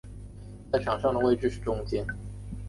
在场上的位置是中坚。